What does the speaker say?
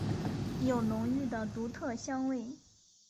有浓郁的独特香味。